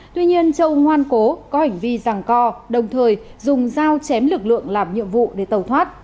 tuy nhiên châu ngoan cố có hành vi rằng co đồng thời dùng dao chém lực lượng làm nhiệm vụ để tàu thoát